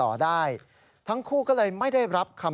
ฟังเสียงคุณฟอร์กันนี่โมฮามัทอัตซันนะครับ